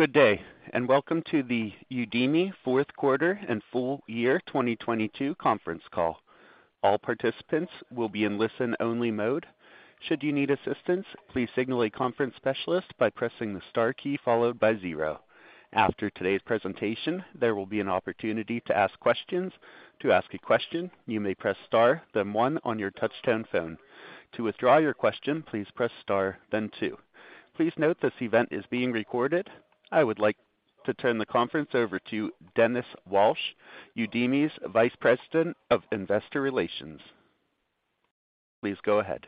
Good day, welcome to the Udemy fourth quarter and full year 2022 conference call. All participants will be in listen-only mode. Should you need assistance, please signal a conference specialist by pressing the star key followed by zero. After today's presentation, there will be an opportunity to ask questions. To ask a question, you may press star then one on your touchtone phone. To withdraw your question, please press star then two. Please note this event is being recorded. I would like to turn the conference over to Dennis Walsh, Udemy's Vice President of Investor Relations. Please go ahead.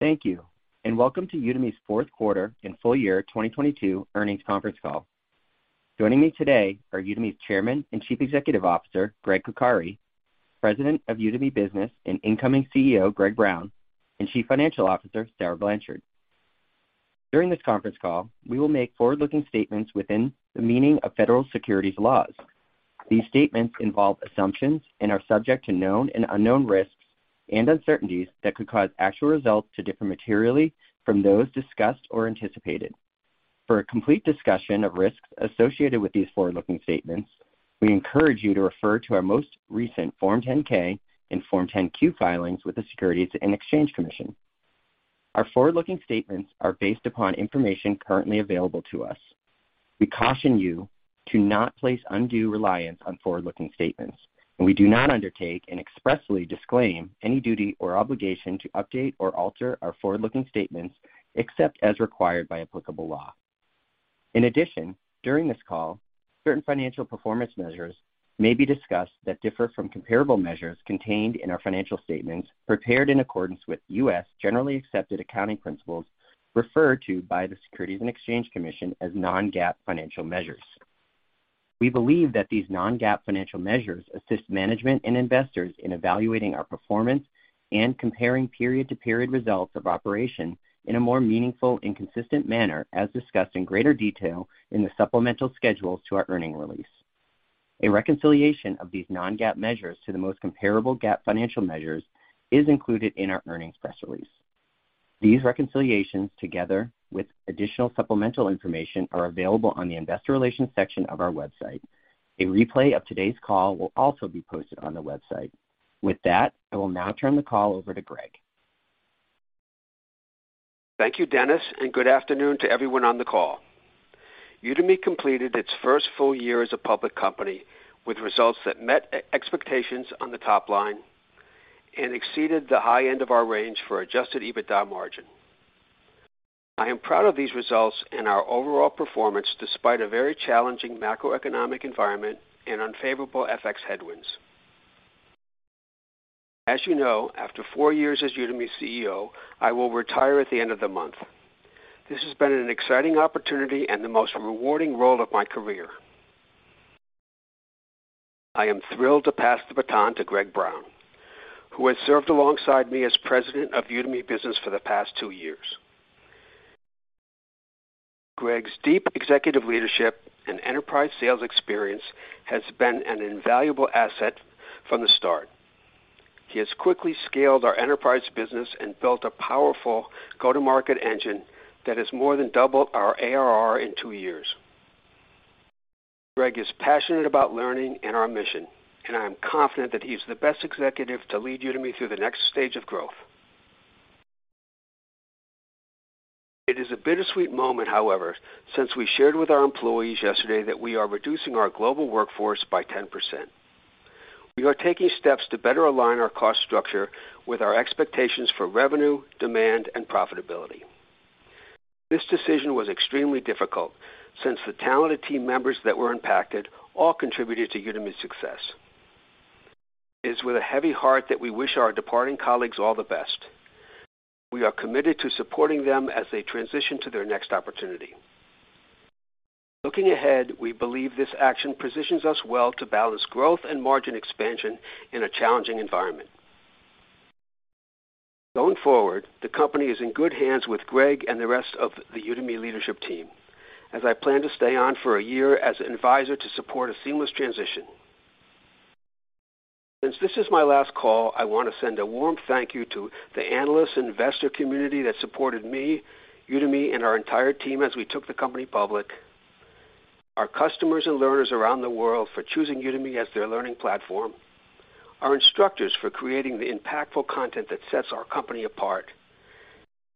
Thank you. Welcome to Udemy's fourth quarter and full year 2022 earnings conference call. Joining me today are Udemy's Chairman and Chief Executive Officer, Gregg Coccari, President of Udemy Business and incoming CEO, Greg Brown, and Chief Financial Officer, Sarah Blanchard. During this conference call, we will make forward-looking statements within the meaning of federal securities laws. These statements involve assumptions and are subject to known and unknown risks and uncertainties that could cause actual results to differ materially from those discussed or anticipated. For a complete discussion of risks associated with these forward-looking statements, we encourage you to refer to our most recent Form 10-K and Form 10-Q filings with the Securities and Exchange Commission. Our forward-looking statements are based upon information currently available to us. We caution you to not place undue reliance on forward-looking statements, and we do not undertake and expressly disclaim any duty or obligation to update or alter our forward-looking statements, except as required by applicable law. In addition, during this call, certain financial performance measures may be discussed that differ from comparable measures contained in our financial statements prepared in accordance with U.S. generally accepted accounting principles referred to by the Securities and Exchange Commission as non-GAAP financial measures. We believe that these non-GAAP financial measures assist management and investors in evaluating our performance and comparing period-to-period results of operation in a more meaningful and consistent manner, as discussed in greater detail in the supplemental schedules to our earnings release. A reconciliation of these non-GAAP measures to the most comparable GAAP financial measures is included in our earnings press release. These reconciliations, together with additional supplemental information, are available on the investor relations section of our website. A replay of today's call will also be posted on the website. With that, I will now turn the call over to Gregg. Thank you, Dennis, and good afternoon to everyone on the call. Udemy completed its first full year as a public company with results that met expectations on the top line and exceeded the high end of our range for adjusted EBITDA margin. I am proud of these results and our overall performance, despite a very challenging macroeconomic environment and unfavorable FX headwinds. As you know, after four years as Udemy CEO, I will retire at the end of the month. This has been an exciting opportunity and the most rewarding role of my career. I am thrilled to pass the baton to Greg Brown, who has served alongside me as President of Udemy Business for the past two years. Greg's deep executive leadership and enterprise sales experience has been an invaluable asset from the start. He has quickly scaled our enterprise business and built a powerful go-to-market engine that has more than doubled our ARR in two years. Greg is passionate about learning and our mission, and I am confident that he's the best executive to lead Udemy through the next stage of growth. It is a bittersweet moment, however, since we shared with our employees yesterday that we are reducing our global workforce by 10%. We are taking steps to better align our cost structure with our expectations for revenue, demand, and profitability. This decision was extremely difficult since the talented team members that were impacted all contributed to Udemy's success. It is with a heavy heart that we wish our departing colleagues all the best. We are committed to supporting them as they transition to their next opportunity. Looking ahead, we believe this action positions us well to balance growth and margin expansion in a challenging environment. Going forward, the company is in good hands with Greg Brown and the rest of the Udemy leadership team, as I plan to stay on for a year as an advisor to support a seamless transition. Since this is my last call, I want to send a warm thank you to the analyst and investor community that supported me, Udemy, and our entire team as we took the company public, our customers and learners around the world for choosing Udemy as their learning platform, our instructors for creating the impactful content that sets our company apart,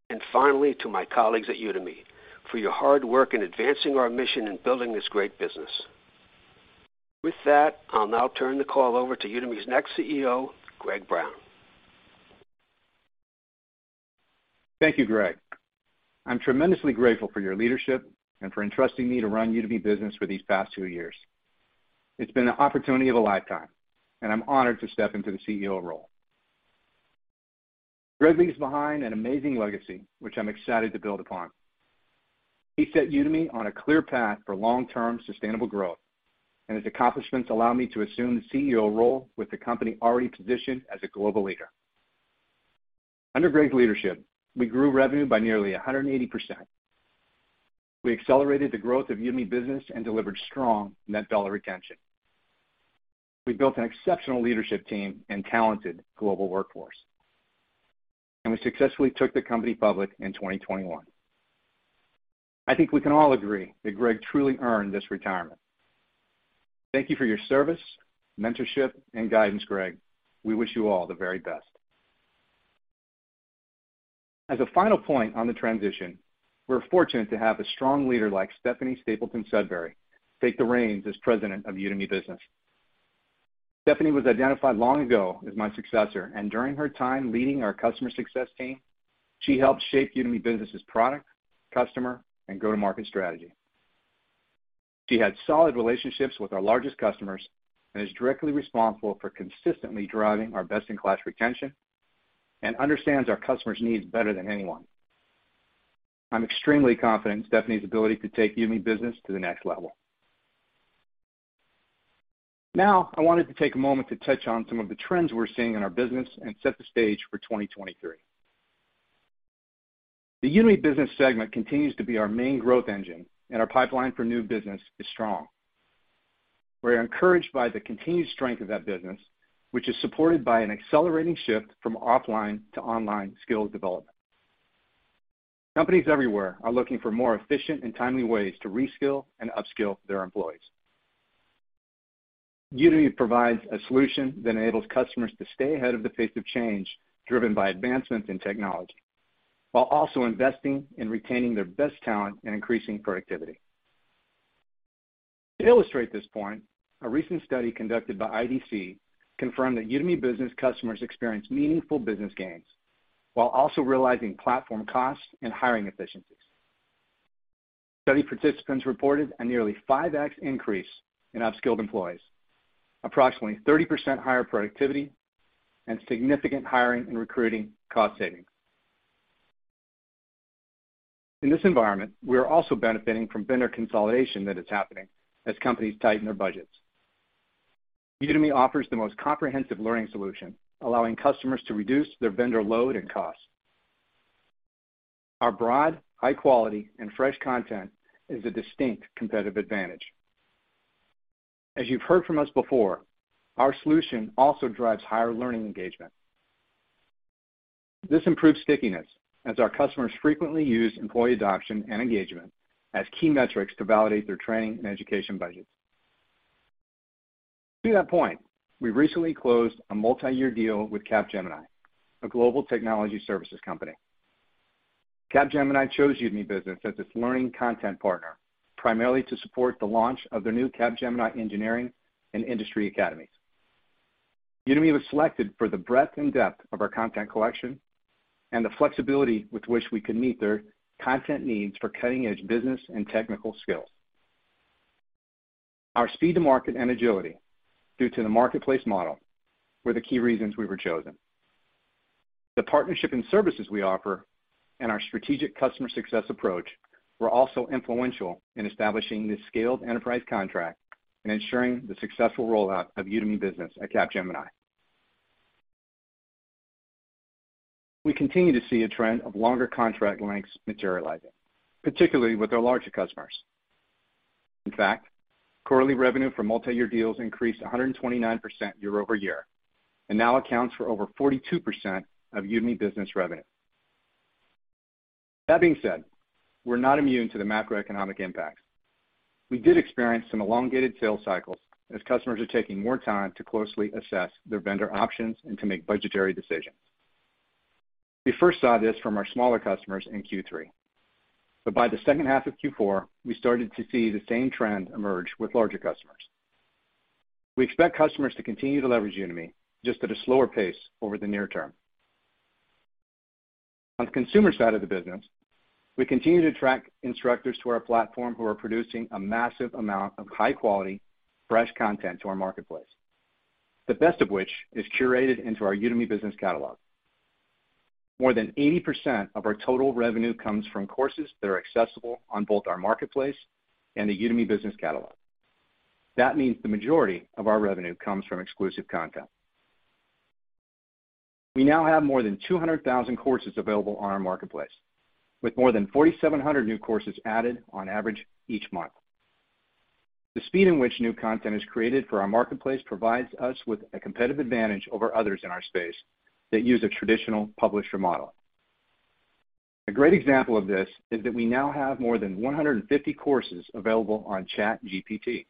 and finally, to my colleagues at Udemy for your hard work in advancing our mission and building this great business. With that, I'll now turn the call over to Udemy's next CEO, Greg Brown. Thank you, Gregg. I'm tremendously grateful for your leadership and for entrusting me to run Udemy Business for these past two years. It's been the opportunity of a lifetime, and I'm honored to step into the CEO role. Greg leaves behind an amazing legacy, which I'm excited to build upon. He set Udemy on a clear path for long-term sustainable growth, and his accomplishments allow me to assume the CEO role with the company already positioned as a global leader. Under Gregg's leadership, we grew revenue by nearly 180%. We accelerated the growth of Udemy Business and delivered strong net dollar retention. We built an exceptional leadership team and talented global workforce. We successfully took the company public in 2021. I think we can all agree that Gregg truly earned this retirement. Thank you for your service, mentorship, and guidance, Gregg. We wish you all the very best. As a final point on the transition, we're fortunate to have a strong leader like Stephanie Stapleton Sudbury take the reins as President of Udemy Business. Stephanie was identified long ago as my successor, and during her time leading our customer success team, she helped shape Udemy Business' product, customer, and go-to-market strategy. She had solid relationships with our largest customers and is directly responsible for consistently driving our best-in-class retention and understands our customers' needs better than anyone. I'm extremely confident in Stephanie's ability to take Udemy Business to the next level. Now, I wanted to take a moment to touch on some of the trends we're seeing in our business and set the stage for 2023. The Udemy Business segment continues to be our main growth engine, and our pipeline for new business is strong. We're encouraged by the continued strength of that business, which is supported by an accelerating shift from offline to online skill development. Companies everywhere are looking for more efficient and timely ways to reskill and upskill their employees. Udemy provides a solution that enables customers to stay ahead of the pace of change driven by advancements in technology, while also investing in retaining their best talent and increasing productivity. To illustrate this point, a recent study conducted by IDC confirmed that Udemy Business customers experience meaningful business gains while also realizing platform costs and hiring efficiencies. Study participants reported a nearly 5x increase in upskilled employees, approximately 30% higher productivity, and significant hiring and recruiting cost savings. In this environment, we are also benefiting from vendor consolidation that is happening as companies tighten their budgets. Udemy offers the most comprehensive learning solution, allowing customers to reduce their vendor load and cost. Our broad, high quality, and fresh content is a distinct competitive advantage. As you've heard from us before, our solution also drives higher learning engagement. This improves stickiness as our customers frequently use employee adoption and engagement as key metrics to validate their training and education budgets. To that point, we recently closed a multi-year deal with Capgemini, a global technology services company. Capgemini chose Udemy Business as its learning content partner, primarily to support the launch of their new Capgemini Engineering and Industry Academies. Udemy was selected for the breadth and depth of our content collection and the flexibility with which we could meet their content needs for cutting-edge business and technical skills. Our speed to market and agility, due to the marketplace model, were the key reasons we were chosen. The partnership and services we offer and our strategic customer success approach were also influential in establishing this scaled enterprise contract and ensuring the successful rollout of Udemy Business at Capgemini. We continue to see a trend of longer contract lengths materializing, particularly with our larger customers. In fact, quarterly revenue for multi-year deals increased 129% year-over-year and now accounts for over 42% of Udemy Business revenue. That being said, we're not immune to the macroeconomic impacts. We did experience some elongated sales cycles as customers are taking more time to closely assess their vendor options and to make budgetary decisions. We first saw this from our smaller customers in Q3, but by the second half of Q4, we started to see the same trend emerge with larger customers. We expect customers to continue to leverage Udemy, just at a slower pace over the near term. On the consumer side of the business, we continue to attract instructors to our platform who are producing a massive amount of high-quality, fresh content to our marketplace, the best of which is curated into our Udemy Business catalog. More than 80% of our total revenue comes from courses that are accessible on both our marketplace and the Udemy Business catalog. That means the majority of our revenue comes from exclusive content. We now have more than 200,000 courses available on our marketplace, with more than 4,700 new courses added on average each month. The speed in which new content is created for our marketplace provides us with a competitive advantage over others in our space that use a traditional publisher model. A great example of this is that we now have more than 150 courses available on ChatGPT,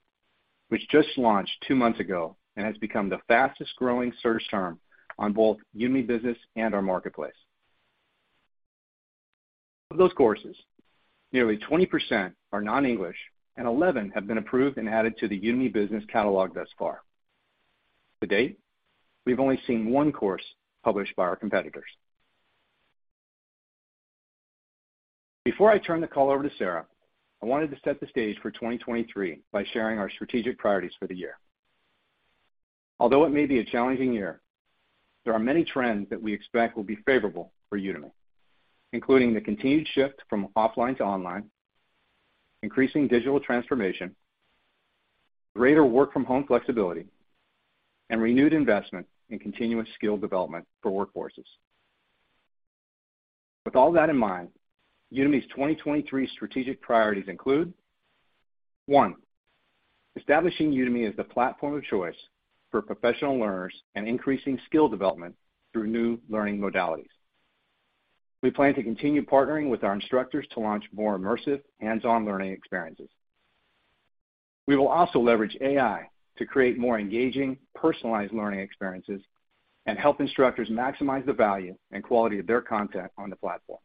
which just launched two months ago and has become the fastest-growing search term on both Udemy Business and our marketplace. Of those courses, nearly 20% are non-English, and 11 have been approved and added to the Udemy Business catalog thus far. To date, we've only seen one course published by our competitors. Before I turn the call over to Sarah, I wanted to set the stage for 2023 by sharing our strategic priorities for the year. Although it may be a challenging year, there are many trends that we expect will be favorable for Udemy, including the continued shift from offline to online, increasing digital transformation, greater work-from-home flexibility, and renewed investment in continuous skill development for workforces. With all that in mind, Udemy's 2023 strategic priorities include, one. Establishing Udemy as the platform of choice for professional learners and increasing skill development through new learning modalities. We plan to continue partnering with our instructors to launch more immersive hands-on learning experiences. We will also leverage AI to create more engaging, personalized learning experiences and help instructors maximize the value and quality of their content on the platform.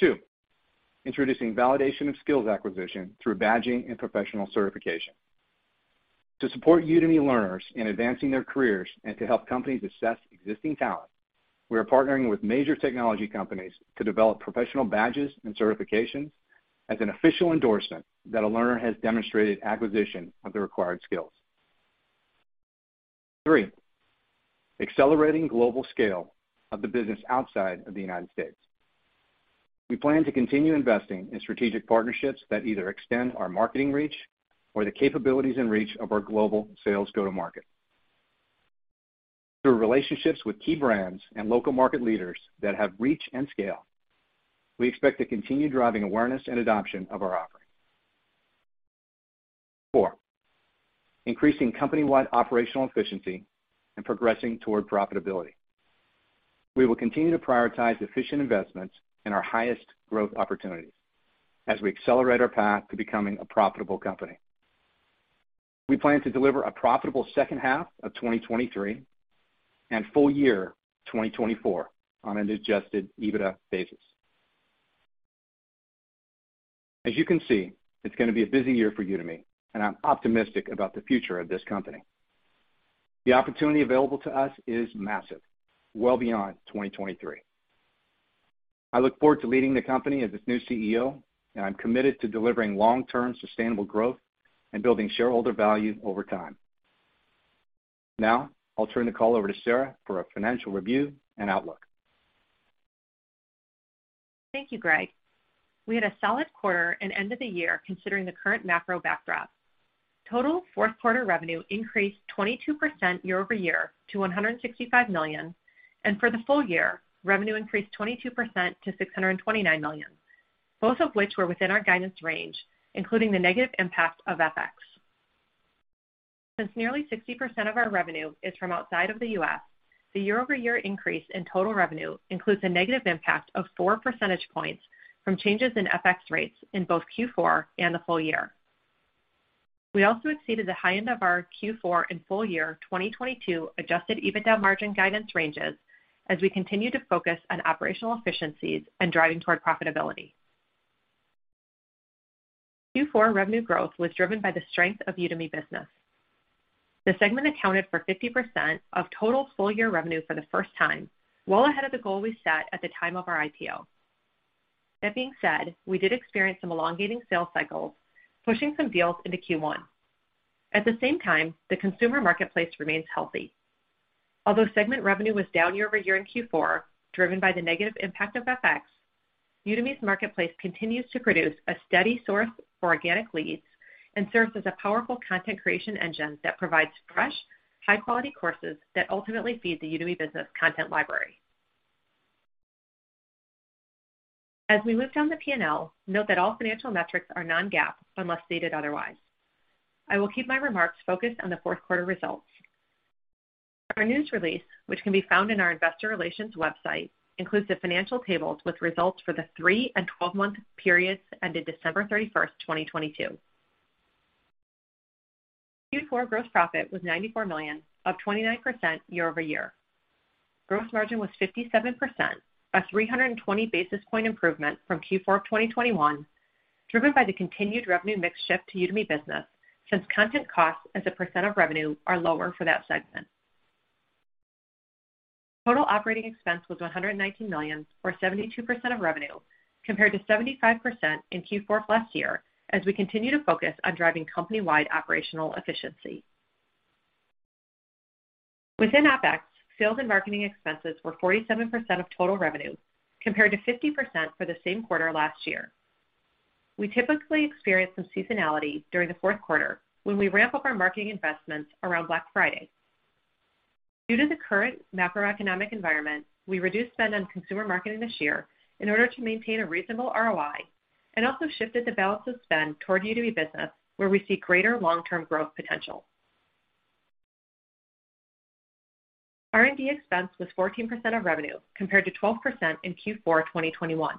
two. Introducing validation of skills acquisition through badging and professional certification. To support Udemy learners in advancing their careers and to help companies assess existing talent, we are partnering with major technology companies to develop professional badges and certifications as an official endorsement that a learner has demonstrated acquisition of the required skills. three. Accelerating global scale of the business outside of the United States. We plan to continue investing in strategic partnerships that either extend our marketing reach or the capabilities and reach of our global sales go-to-market. Through relationships with key brands and local market leaders that have reach and scale, we expect to continue driving awareness and adoption of our offering. four, increasing company-wide operational efficiency and progressing toward profitability. We will continue to prioritize efficient investments in our highest growth opportunities as we accelerate our path to becoming a profitable company. We plan to deliver a profitable second half of 2023 and full year 2024 on an adjusted EBITDA basis. As you can see, it's gonna be a busy year for Udemy, and I'm optimistic about the future of this company. The opportunity available to us is massive, well beyond 2023. I look forward to leading the company as its new CEO, and I'm committed to delivering long-term sustainable growth and building shareholder value over time. Now, I'll turn the call over to Sarah for a financial review and outlook. Thank you, Greg. We had a solid quarter and end of the year considering the current macro backdrop. Total fourth quarter revenue increased 22% year-over-year to $165 million. For the full year, revenue increased 22% to $629 million, both of which were within our guidance range, including the negative impact of FX. Since nearly 60% of our revenue is from outside of the U.S., the year-over-year increase in total revenue includes a negative impact of four percentage points from changes in FX rates in both Q4 and the full year. We also exceeded the high end of our Q4 and full year 2022 adjusted EBITDA margin guidance ranges as we continue to focus on operational efficiencies and driving toward profitability. Q4 revenue growth was driven by the strength of Udemy Business. The segment accounted for 50% of total full year revenue for the first time, well ahead of the goal we set at the time of our IPO. That being said, we did experience some elongating sales cycles, pushing some deals into Q1. At the same time, the consumer marketplace remains healthy. Although segment revenue was down year-over-year in Q4, driven by the negative impact of FX, Udemy's marketplace continues to produce a steady source for organic leads and serves as a powerful content creation engine that provides fresh, high quality courses that ultimately feed the Udemy Business content library. As we move down the P&L, note that all financial metrics are non-GAAP unless stated otherwise. I will keep my remarks focused on the fourth quarter results. Our news release, which can be found in our investor relations website, includes the financial tables with results for the three and 12-month periods ended December 31st, 2022. Q4 gross profit was $94 million, up 29% year-over-year. Gross margin was 57%, a 320 basis point improvement from Q4 of 2021, driven by the continued revenue mix shift to Udemy Business, since content costs as a percent of revenue are lower for that segment. Total operating expense was $119 million or 72% of revenue, compared to 75% in Q4 of last year as we continue to focus on driving company-wide operational efficiency. Within OPEX, sales and marketing expenses were 47% of total revenue, compared to 50% for the same quarter last year. We typically experience some seasonality during the fourth quarter when we ramp up our marketing investments around Black Friday. Due to the current macroeconomic environment, we reduced spend on consumer marketing this year in order to maintain a reasonable ROI and also shifted the balance of spend toward Udemy Business where we see greater long-term growth potential. R&D expense was 14% of revenue compared to 12% in Q4 of 2021.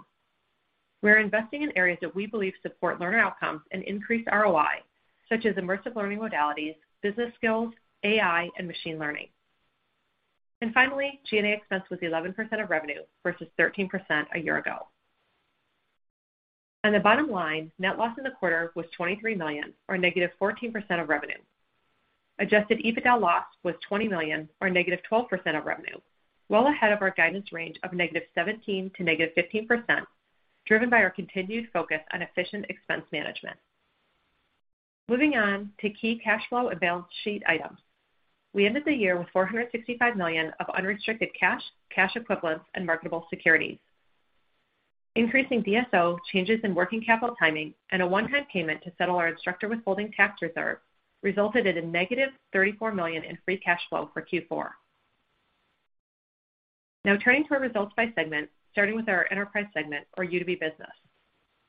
We're investing in areas that we believe support learner outcomes and increase ROI, such as immersive learning modalities, business skills, AI, and machine learning. Finally, G&A expense was 11% of revenue versus 13% a year ago. On the bottom line, net loss in the quarter was $23 million or -14% of revenue. Adjusted EBITDA loss was $20 million or -12% of revenue, well ahead of our guidance range of -17% to -15%, driven by our continued focus on efficient expense management. Moving on to key cash flow and balance sheet items. We ended the year with $465 million of unrestricted cash equivalents, and marketable securities. Increasing DSO changes in working capital timing and a one-time payment to settle our instructor withholding tax reserve resulted in -$34 million in free cash flow for Q4. Turning to our results by segment, starting with our enterprise segment or Udemy Business.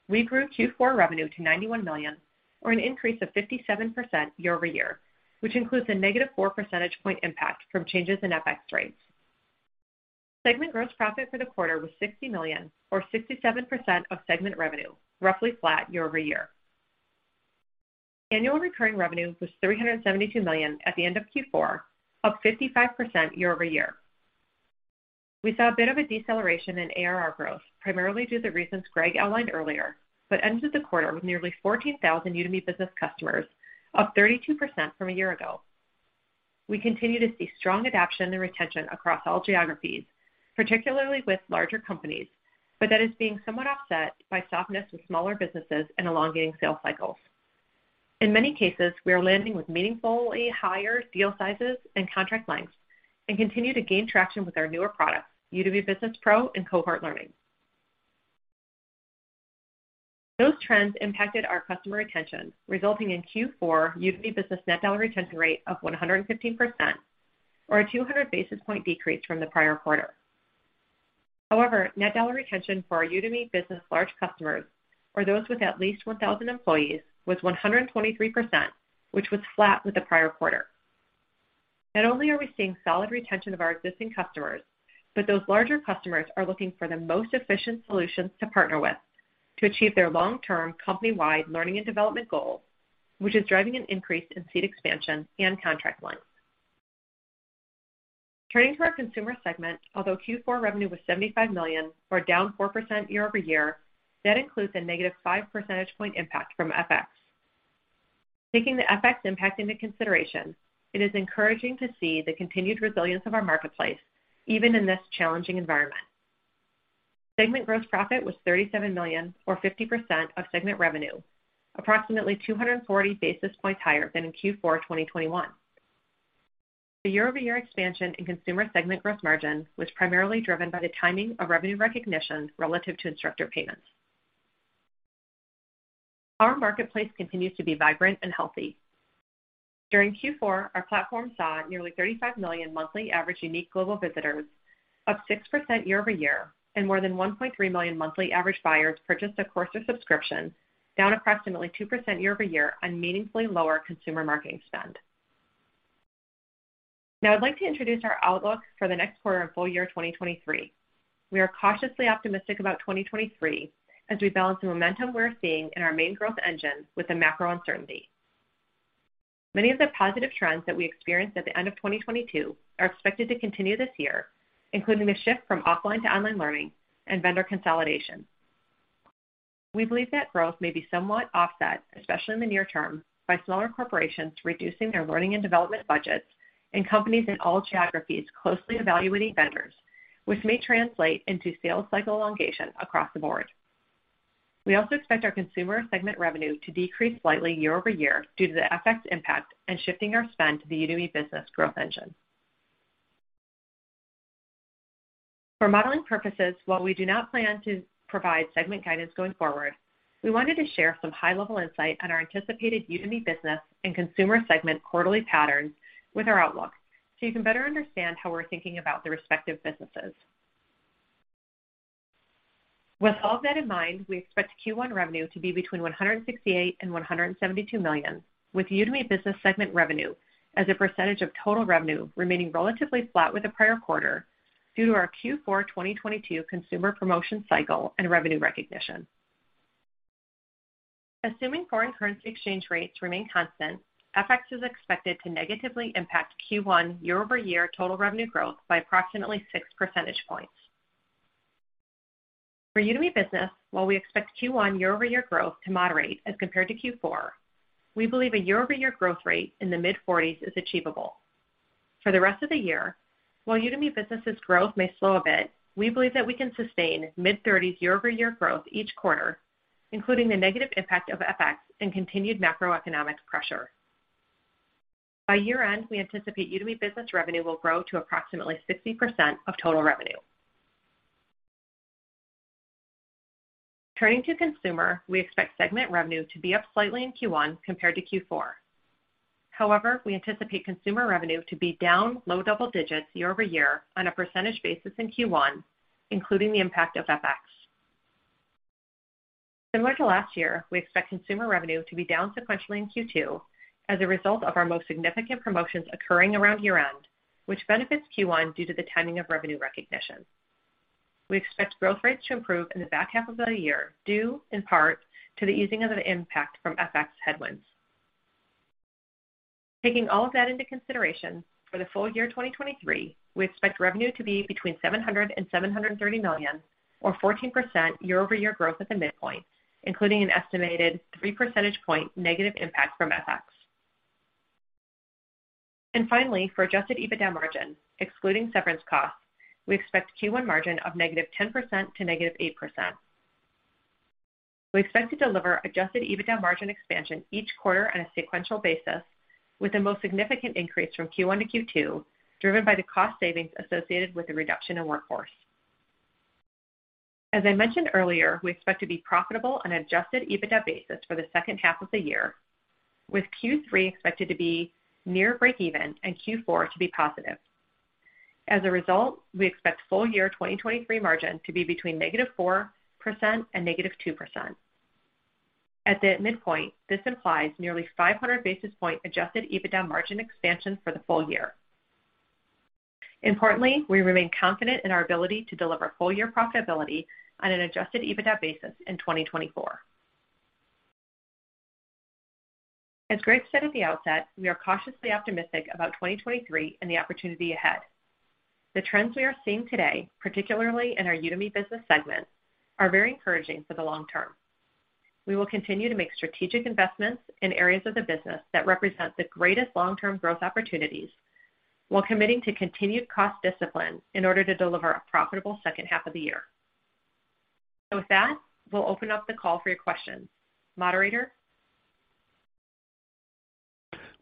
We grew Q4 revenue to $91 million, or an increase of 57% year-over-year, which includes a -4 percentage point impact from changes in FX rates. Segment gross profit for the quarter was $60 million or 67% of segment revenue, roughly flat year-over-year. Annual recurring revenue was $372 million at the end of Q4, up 55% year-over-year. We saw a bit of a deceleration in ARR growth, primarily due to the reasons Greg Brown outlined earlier, ended the quarter with nearly 14,000 Udemy Business customers, up 32% from a year ago. We continue to see strong adoption and retention across all geographies, particularly with larger companies, that is being somewhat offset by softness with smaller businesses and elongating sales cycles. In many cases, we are landing with meaningfully higher deal sizes and contract lengths and continue to gain traction with our newer products, Udemy Business Pro and Cohort Learning. Those trends impacted our customer retention, resulting in Q4 Udemy Business net dollar retention rate of 115% or a 200 basis point decrease from the prior quarter. Net dollar retention for our Udemy Business large customers, or those with at least 1,000 employees, was 123%, which was flat with the prior quarter. Not only are we seeing solid retention of our existing customers, but those larger customers are looking for the most efficient solutions to partner with to achieve their long-term company-wide learning and development goals, which is driving an increase in seat expansion and contract length. Turning to our consumer segment, although Q4 revenue was $75 million or down 4% year-over-year, that includes a -5 percentage point impact from FX. Taking the FX impact into consideration, it is encouraging to see the continued resilience of our marketplace even in this challenging environment. Segment gross profit was $37 million or 50% of segment revenue, approximately 240 basis points higher than in Q4 2021. The year-over-year expansion in consumer segment gross margin was primarily driven by the timing of revenue recognition relative to instructor payments. Our marketplace continues to be vibrant and healthy. During Q4, our platform saw nearly 35 million monthly average unique global visitors, up 6% year-over-year and more than 1.3 million monthly average buyers purchased a course or subscription, down approximately 2% year-over-year on meaningfully lower consumer marketing spend. I'd like to introduce our outlook for the next quarter and full year 2023. We are cautiously optimistic about 2023 as we balance the momentum we're seeing in our main growth engine with the macro uncertainty. Many of the positive trends that we experienced at the end of 2022 are expected to continue this year, including the shift from offline to online learning and vendor consolidation. We believe that growth may be somewhat offset, especially in the near term, by smaller corporations reducing their learning and development budgets and companies in all geographies closely evaluating vendors, which may translate into sales cycle elongation across the board. We also expect our consumer segment revenue to decrease slightly year-over-year due to the FX impact and shifting our spend to the Udemy Business growth engine. For modeling purposes, while we do not plan to provide segment guidance going forward, we wanted to share some high-level insight on our anticipated Udemy Business and consumer segment quarterly patterns with our outlook, so you can better understand how we're thinking about the respective businesses. With all of that in mind, we expect Q1 revenue to be between $168 million and $172 million, with Udemy Business segment revenue as a percentage of total revenue remaining relatively flat with the prior quarter due to our Q4 2022 consumer promotion cycle and revenue recognition. Assuming foreign currency exchange rates remain constant, FX is expected to negatively impact Q1 year-over-year total revenue growth by approximately 6 percentage points. For Udemy Business, while we expect Q1 year-over-year growth to moderate as compared to Q4, we believe a year-over-year growth rate in the mid-40s is achievable. For the rest of the year, while Udemy Business's growth may slow a bit, we believe that we can sustain mid-30s year-over-year growth each quarter, including the negative impact of FX and continued macroeconomic pressure. By year-end, we anticipate Udemy Business revenue will grow to approximately 60% of total revenue. Turning to consumer, we expect segment revenue to be up slightly in Q1 compared to Q4. However, we anticipate consumer revenue to be down low double-digits year-over-year on a percentage basis in Q1, including the impact of FX. Similar to last year, we expect consumer revenue to be down sequentially in Q two as a result of our most significant promotions occurring around year-end, which benefits Q1 due to the timing of revenue recognition. We expect growth rates to improve in the back half of the year, due in part to the easing of the impact from FX headwinds. Taking all of that into consideration, for the full year 2023, we expect revenue to be between $700 million and $730 million or 14% year-over-year growth at the midpoint, including an estimated 3 percentage point negative impact from FX. For adjusted EBITDA margin, excluding severance costs, we expect Q1 margin of -10% to -8%. We expect to deliver adjusted EBITDA margin expansion each quarter on a sequential basis, with the most significant increase from Q1 to Q2, driven by the cost savings associated with the reduction in workforce. As I mentioned earlier, we expect to be profitable on adjusted EBITDA basis for the second half of the year, with Q3 expected to be near breakeven and Q4 to be positive. As a result, we expect full year 2023 margin to be between -4% and -2%. At the midpoint, this implies nearly 500 basis point adjusted EBITDA margin expansion for the full year. Importantly, we remain confident in our ability to deliver full-year profitability on an adjusted EBITDA basis in 2024. As Greg said at the outset, we are cautiously optimistic about 2023 and the opportunity ahead. The trends we are seeing today, particularly in our Udemy Business segment, are very encouraging for the long term. We will continue to make strategic investments in areas of the business that represent the greatest long-term growth opportunities while committing to continued cost discipline in order to deliver a profitable second half of the year. With that, we'll open up the call for your questions. Moderator?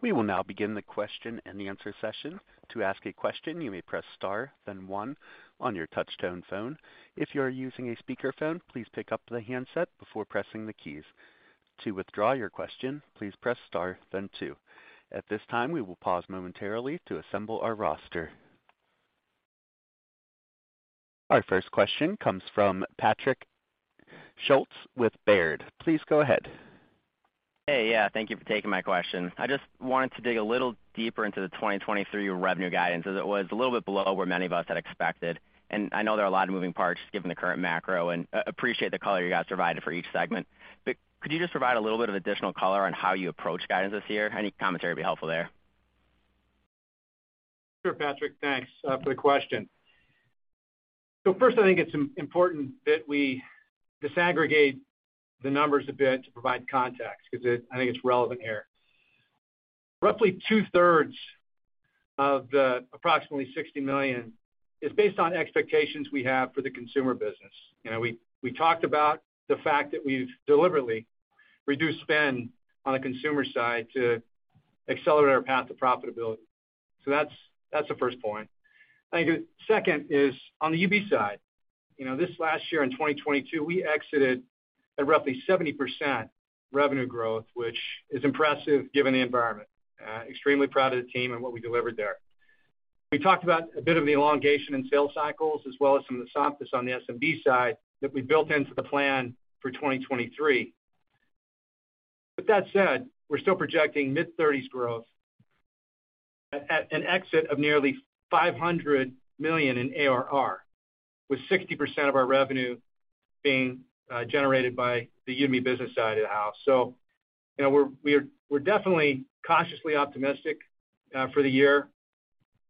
We will now begin the question and answer session. To ask a question, you may press Star, then one on your touchtone phone. If you are using a speakerphone, please pick up the handset before pressing the keys. To withdraw your question, please press Star, then two. At this time, we will pause momentarily to assemble our roster. Our first question comes from Patrick Schulz with Baird. Please go ahead. Hey. Yeah, thank you for taking my question. I just wanted to dig a little deeper into the 2023 revenue guidance, as it was a little bit below where many of us had expected. I know there are a lot of moving parts given the current macro, and appreciate the color you guys provided for each segment. Could you just provide a little bit of additional color on how you approach guidance this year? Any commentary would be helpful there. Sure, Patrick. Thanks for the question. First, I think it's important that we disaggregate the numbers a bit to provide context because I think it's relevant here. Roughly 2/3 of the approximately $60 million is based on expectations we have for the consumer business. You know, we talked about the fact that we've deliberately reduced spend on the consumer side to accelerate our path to profitability. That's the first point. I think second is on the UB side. You know, this last year in 2022, we exited at roughly 70% revenue growth, which is impressive given the environment. Extremely proud of the team and what we delivered there. We talked about a bit of the elongation in sales cycles as well as some of the softness on the SMB side that we built into the plan for 2023. With that said, we're still projecting mid-30s growth at an exit of nearly $500 million in ARR, with 60% of our revenue being generated by the Udemy Business side of the house. You know, we're definitely cautiously optimistic for the year,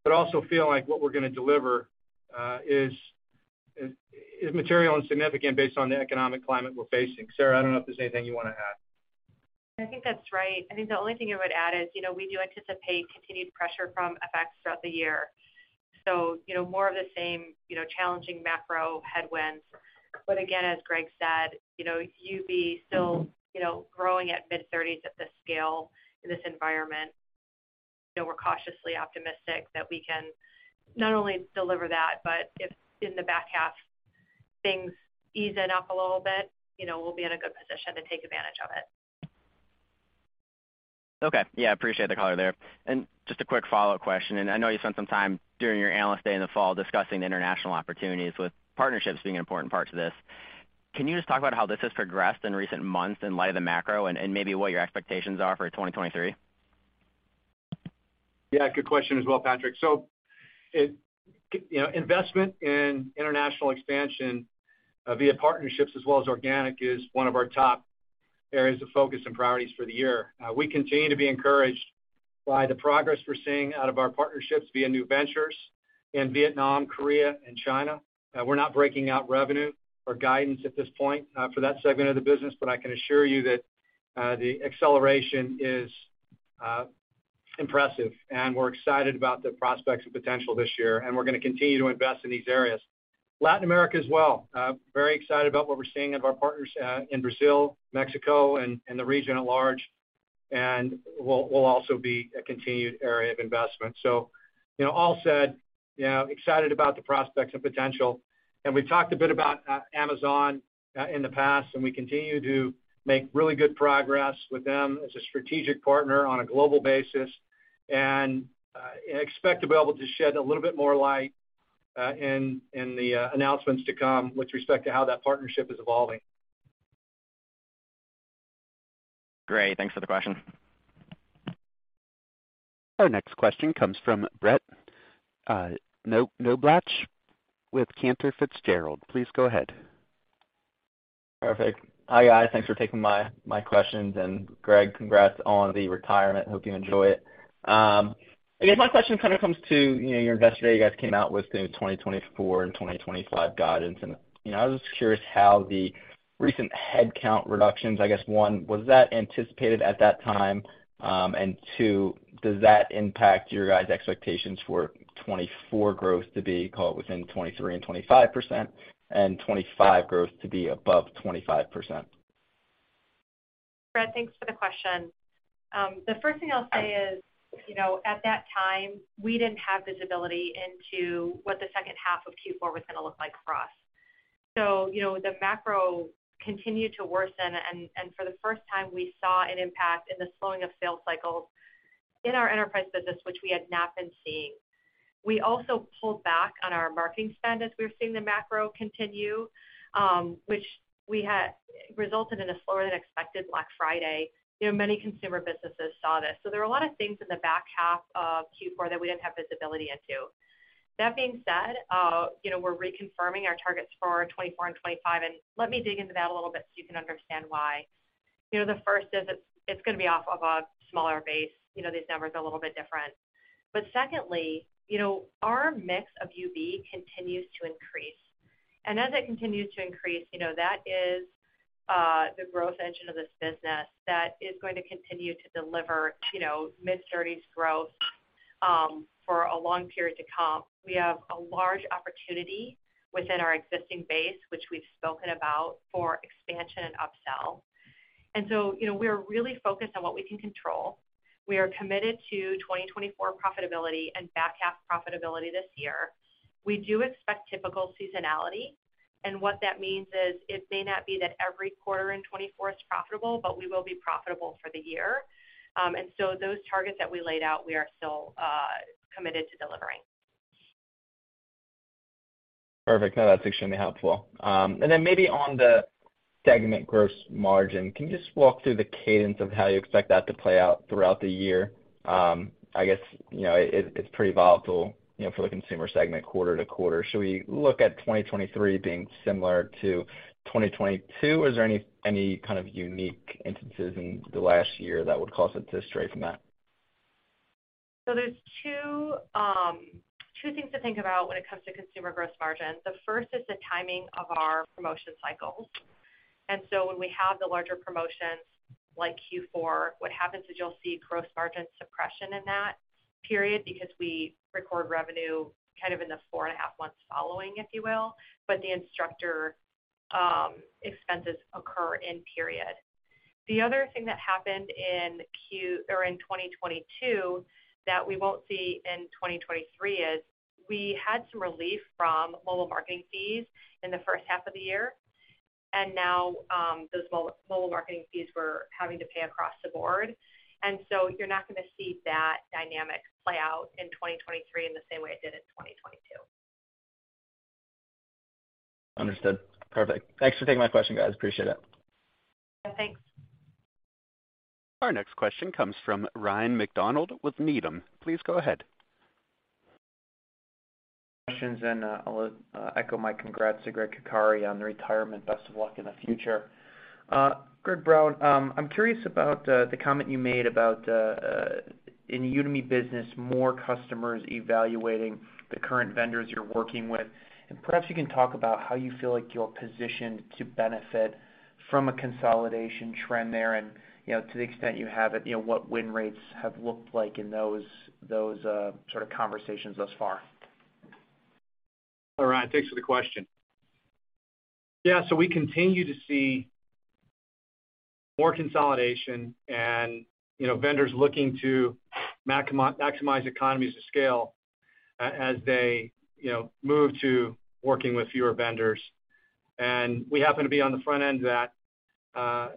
but also feel like what we're gonna deliver is material and significant based on the economic climate we're facing. Sarah, I don't know if there's anything you wanna add. I think that's right. I think the only thing I would add is, you know, we do anticipate continued pressure from FX throughout the year. You know, more of the same, you know, challenging macro headwinds. Again, as Greg said, you know, UB still, you know, growing at mid-30s at this scale in this environment, you know, we're cautiously optimistic that we can not only deliver that, but if in the back half things ease it up a little bit, you know, we'll be in a good position to take advantage of it. Okay. Yeah, appreciate the color there. Just a quick follow-up question, and I know you spent some time during your Analyst Day in the fall discussing the international opportunities with partnerships being an important part to this. Can you just talk about how this has progressed in recent months in light of the macro and maybe what your expectations are for 2023? Good question as well, Patrick. You know, investment in international expansion via partnerships as well as organic is one of our top areas of focus and priorities for the year. We continue to be encouraged by the progress we're seeing out of our partnerships via new ventures in Vietnam, Korea, and China. We're not breaking out revenue or guidance at this point for that segment of the business, but I can assure you that the acceleration is impressive, and we're excited about the prospects and potential this year, and we're gonna continue to invest in these areas. Latin America as well, very excited about what we're seeing of our partners in, Mexico, and the region at large. Will also be a continued area of investment. You know, all said, you know, excited about the prospects and potential, and we've talked a bit about Amazon in the past, and we continue to make really good progress with them as a strategic partner on a global basis. Expect to be able to shed a little bit more light in the announcements to come with respect to how that partnership is evolving. Great. Thanks for the question. Our next question comes from Brett Knoblauch with Cantor Fitzgerald. Please go ahead. Perfect. Hi, guys. Thanks for taking my questions. Gregg, congrats on the retirement. Hope you enjoy it. I guess my question kind of comes to, you know, your Investor Day, you guys came out with the 2024 and 2025 guidance. You know, I was just curious how the recent headcount reductions, I guess, one, was that anticipated at that time? Two, does that impact your guys' expectations for 2024 growth to be called within 23%-25%, and 2025 growth to be above 25%? Fred, thanks for the question. The first thing I'll say is, you know, at that time, we didn't have visibility into what the second half of Q4 was gonna look like for us. The macro continued to worsen and for the first time, we saw an impact in the slowing of sales cycles in our enterprise business, which we had not been seeing. We also pulled back on our marketing spend as we were seeing the macro continue, which resulted in a slower than expected Black Friday. You know, many consumer businesses saw this. There were a lot of things in the back half of Q4 that we didn't have visibility into. That being said, you know, we're reconfirming our targets for 2024 and 2025, and let me dig into that a little bit so you can understand why. You know, the first is it's gonna be off of a smaller base, you know, these numbers are a little bit different. Secondly, you know, our mix of UB continues to increase. As it continues to increase, you know, that is the growth engine of this business that is going to continue to deliver, you know, mid-30s growth for a long period to come. We have a large opportunity within our existing base, which we've spoken about for expansion and upsell. So, you know, we're really focused on what we can control. We are committed to 2024 profitability and back half profitability this year. We do expect typical seasonality, and what that means is it may not be that every quarter in 2024 is profitable, but we will be profitable for the year. Those targets that we laid out, we are still committed to delivering. Perfect. No, that's extremely helpful. Then maybe on the segment gross margin, can you just walk through the cadence of how you expect that to play out throughout the year? I guess, you know, it's pretty volatile, you know, for the consumer segment quarter to quarter. Should we look at 2023 being similar to 2022? Is there any kind of unique instances in the last year that would cause it to stray from that? There's two things to think about when it comes to consumer gross margin. The first is the timing of our promotion cycles. When we have the larger promotions like Q4, what happens is you'll see gross margin suppression in that period because we record revenue kind of in the four and a half months following, if you will, but the instructor expenses occur in period. The other thing that happened in 2022 that we won't see in 2023 is we had some relief from mobile marketing fees in the first half of the year, and now those mobile marketing fees we're having to pay across the board. You're not gonna see that dynamic play out in 2023 in the same way it did in 2022. Understood. Perfect. Thanks for taking my question, guys. Appreciate it. Thanks. Our next question comes from Ryan MacDonald with Needham. Please go ahead. Questions, I'll echo my congrats to Gregg Coccari on the retirement. Best of luck in the future. Greg Brown, I'm curious about in the Udemy Business, more customers evaluating the current vendors you're working with. Perhaps you can talk about how you feel like you're positioned to benefit from a consolidation trend there, and, you know, to the extent you have it, you know, what win rates have looked like in those sort of conversations thus far. All right. Thanks for the question. Yeah, we continue to see more consolidation and, you know, vendors looking to maximize economies of scale as they, you know, move to working with fewer vendors. We happen to be on the front end of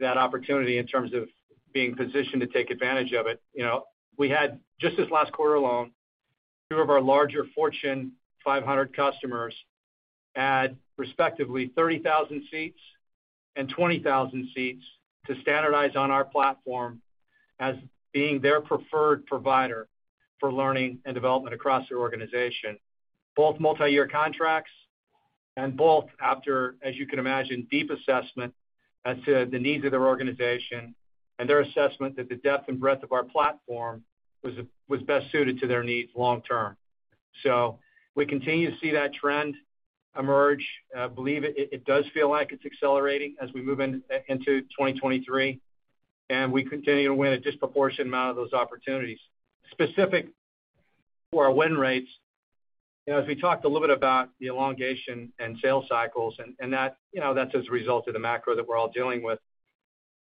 that opportunity in terms of being positioned to take advantage of it. You know, we had, just this last quarter alone, two of our larger Fortune 500 customers add respectively 30,000 seats and 20,000 seats to standardize on our platform as being their preferred provider for learning and development across their organization, both multi-year contracts and both after, as you can imagine, deep assessment as to the needs of their organization and their assessment that the depth and breadth of our platform was best suited to their needs long term. We continue to see that trend emerge. I believe it does feel like it's accelerating as we move into 2023. We continue to win a disproportionate amount of those opportunities. Specific for our win rates, as we talked a little bit about the elongation and sales cycles and that, you know, that's as a result of the macro that we're all dealing with.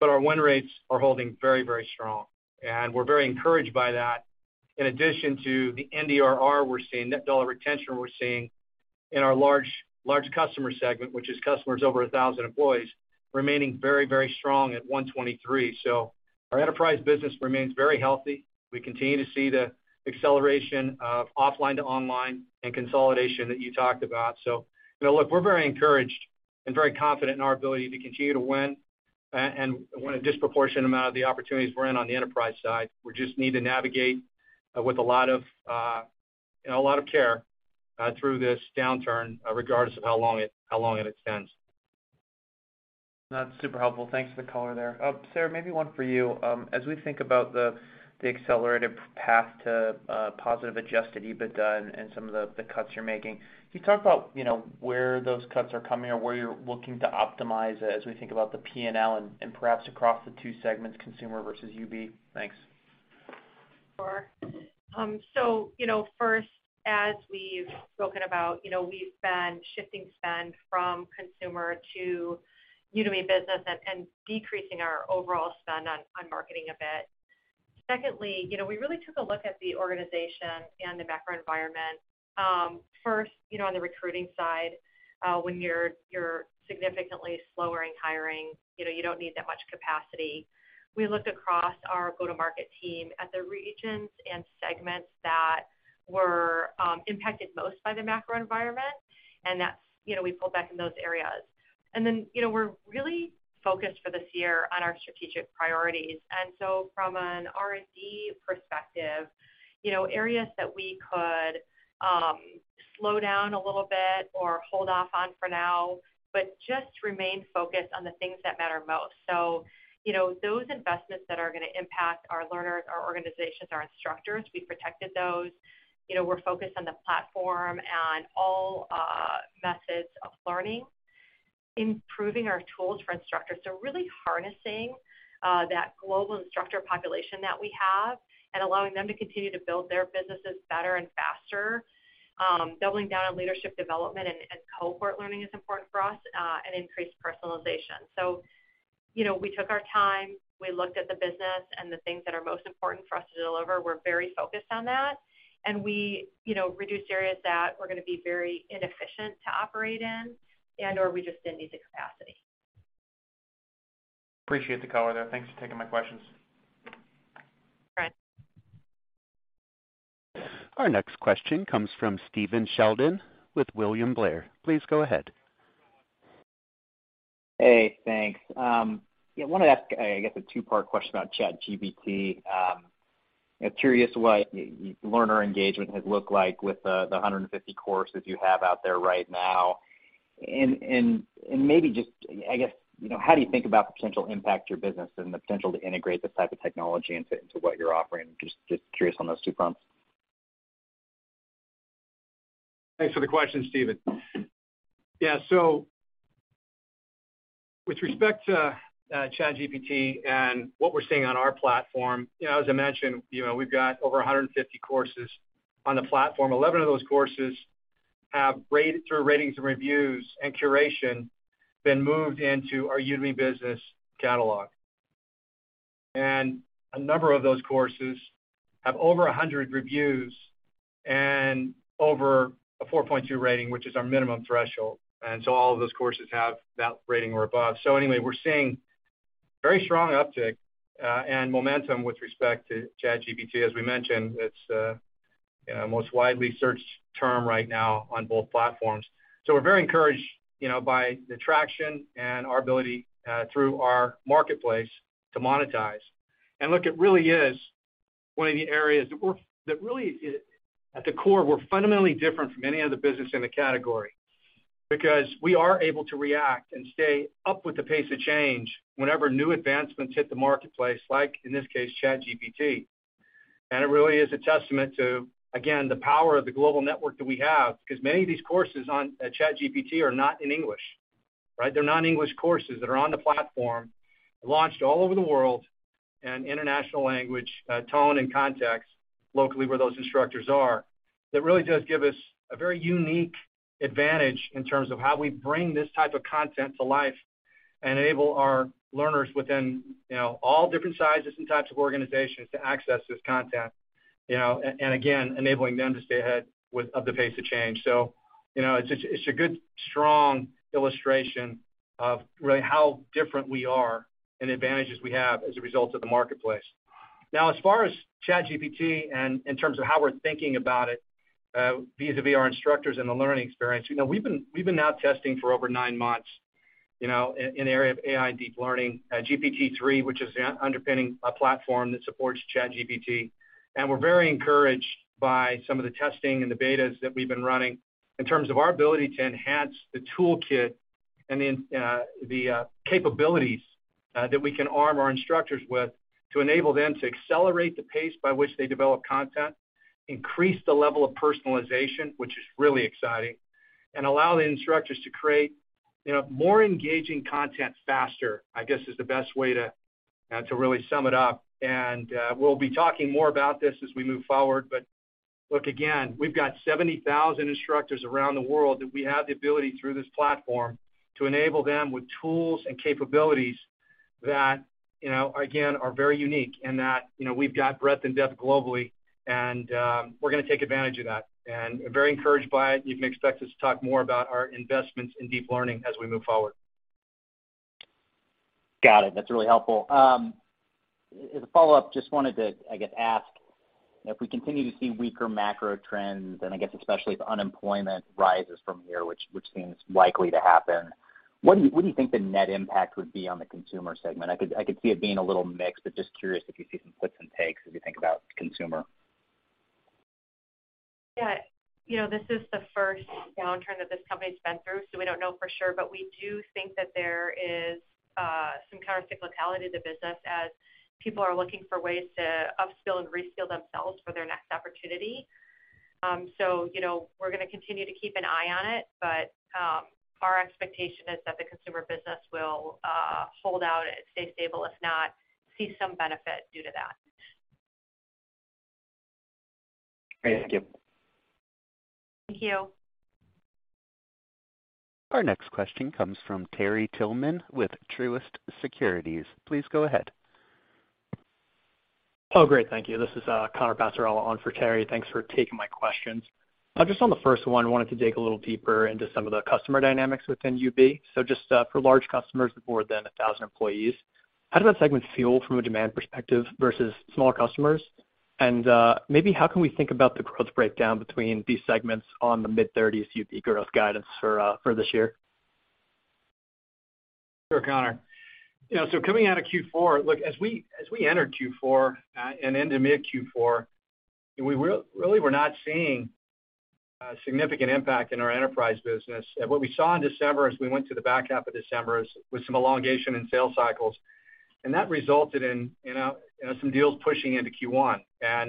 Our win rates are holding very, very strong, and we're very encouraged by that. In addition to the NDRR we're seeing, net dollar retention we're seeing in our large customer segment, which is customers over 1,000 employees, remaining very, very strong at 123%. Our enterprise business remains very healthy. We continue to see the acceleration of offline to online and consolidation that you talked about. You know, look, we're very encouraged and very confident in our ability to continue to win, and win a disproportionate amount of the opportunities we're in on the enterprise side. We just need to navigate, with a lot of, you know, a lot of care, through this downturn, regardless of how long it extends. That's super helpful. Thanks for the color there. Sarah, maybe one for you. As we think about the accelerative path to positive adjusted EBITDA and some of the cuts you're making, can you talk about, you know, where those cuts are coming or where you're looking to optimize as we think about the P&L and perhaps across the two segments, consumer versus UB? Thanks. Sure. You know, first, as we've spoken about, you know, we've been shifting spend from consumer to Udemy Business and decreasing our overall spend on marketing a bit. Secondly, you know, we really took a look at the organization and the macro environment. First, you know, on the recruiting side, when you're significantly slower in hiring, you know, you don't need that much capacity. We looked across our go-to-market team at the regions and segments that were impacted most by the macro environment, and that's, you know, we pulled back in those areas. You know, we're really focused for this year on our strategic priorities. From an R&D perspective, you know, areas that we could slow down a little bit or hold off on for now, but just remain focused on the things that matter most. You know, those investments that are gonna impact our learners, our organizations, our instructors, we protected those. You know, we're focused on the platform and all methods of learning, improving our tools for instructors. Really harnessing that global instructor population that we have and allowing them to continue to build their businesses better and faster, doubling down on leadership development and Cohort Learning is important for us and increased personalization. You know, we took our time, we looked at the business, and the things that are most important for us to deliver, we're very focused on that. We, you know, reduced areas that were gonna be very inefficient to operate in and/or we just didn't need the capacity. Appreciate the color there. Thanks for taking my questions. All right. Our next question comes from Stephen Sheldon with William Blair. Please go ahead. Hey, thanks. Yeah, wanted to ask, I guess, a two-part question about ChatGPT. Curious what learner engagement has looked like with the 150 courses you have out there right now. Maybe just, I guess, you know, how do you think about the potential impact to your business and the potential to integrate this type of technology into what you're offering? Just curious on those two fronts. Thanks for the question, Stephen. Yeah. With respect to ChatGPT and what we're seeing on our platform, you know, as I mentioned, you know, we've got over 150 courses on the platform. 11 of those courses have ratings and reviews and curation been moved into our Udemy Business catalog. A number of those courses have over 100 reviews and over a 4.2 rating, which is our minimum threshold. All of those courses have that rating or above. Anyway, we're seeing very strong uptick and momentum with respect to ChatGPT. As we mentioned, it's, you know, most widely searched term right now on both platforms. We're very encouraged, you know, by the traction and our ability through our marketplace to monetize. Look, it really is one of the areas that really is at the core, we're fundamentally different from any other business in the category because we are able to react and stay up with the pace of change whenever new advancements hit the marketplace, like in this case, ChatGPT. It really is a testament to, again, the power of the global network that we have, 'cause many of these courses on ChatGPT are not in English, right? They're non-English courses that are on the platform, launched all over the world in international language, tone, and context locally, where those instructors are. That really does give us a very unique advantage in terms of how we bring this type of content to life and enable our learners within, you know, all different sizes and types of organizations to access this content, you know, and again, enabling them to stay ahead of the pace of change. you know, it's a good, strong illustration of really how different we are and advantages we have as a result of the marketplace. As far as ChatGPT and in terms of how we're thinking about it, vis-a-vis our instructors and the learning experience, you know, we've been now testing for over nine months, you know, in the area of AI deep learning, GPT-3, which is the underpinning platform that supports ChatGPT. We're very encouraged by some of the testing and the betas that we've been running in terms of our ability to enhance the toolkit and then the capabilities that we can arm our instructors with to enable them to accelerate the pace by which they develop content, increase the level of personalization, which is really exciting, and allow the instructors to create, you know, more engaging content faster, I guess, is the best way to really sum it up. We'll be talking more about this as we move forward. Look, again, we've got 70,000 instructors around the world that we have the ability through this platform to enable them with tools and capabilities that, you know, again, are very unique and that, you know, we've got breadth and depth globally, and we're gonna take advantage of that. Very encouraged by it. You can expect us to talk more about our investments in deep learning as we move forward. Got it. That's really helpful. As a follow-up, just wanted to, I guess, ask if we continue to see weaker macro trends, and I guess especially if unemployment rises from here, which seems likely to happen, what do you think the net impact would be on the consumer segment? I could see it being a little mixed, but just curious if you see some puts and takes as you think about consumer. Yeah. You know, this is the first downturn that this company's been through, so we don't know for sure. We do think that there is some kind of cyclicality to business as people are looking for ways to upskill and reskill themselves for their next opportunity. You know, we're gonna continue to keep an eye on it, but our expectation is that the consumer business will hold out and stay stable, if not see some benefit due to that. Great. Thank you. Thank you. Our next question comes from Terry Tillman with Truist Securities. Please go ahead. Oh, great. Thank you. This is Connor Passarella on for Terry. Thanks for taking my questions. Just on the first one, wanted to dig a little deeper into some of the customer dynamics within UB. Just for large customers with more than 1,000 employees, how did that segment feel from a demand perspective versus smaller customers? Maybe how can we think about the growth breakdown between these segments on the mid-30s UB growth guidance for for this year? Sure, Connor. You know, coming out of Q4, look, as we entered Q4, and into mid-Q4, we really were not seeing a significant impact in our enterprise business. What we saw in December as we went to the back half of December was some elongation in sales cycles, and that resulted in, you know, some deals pushing into Q1.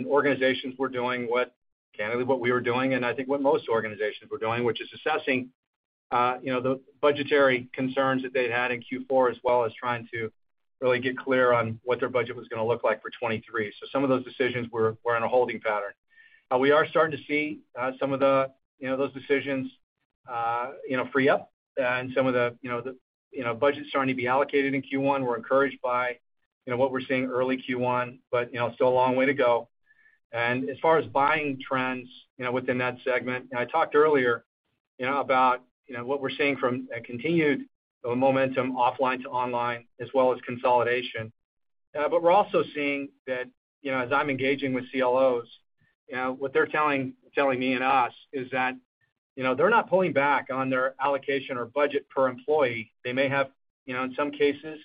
Organizations were doing candidly, what we were doing, and I think what most organizations were doing, which is assessing, you know, the budgetary concerns that they'd had in Q4, as well as trying to really get clear on what their budget was gonna look like for 2023. Some of those decisions were in a holding pattern. We are starting to see, some of the, you know, those decisions, you know, free up and some of the, you know, the budgets starting to be allocated in Q1. We're encouraged by, you know, what we're seeing early Q1, but, you know, still a long way to go. As far as buying trends, you know, within that segment, and I talked earlier, you know, about, you know, what we're seeing from a continued momentum offline to online as well as consolidation. We're also seeing that, you know, as I'm engaging with CLOs, you know, what they're telling me and us is that, you know, they're not pulling back on their allocation or budget per employee. They may have, you know, in some cases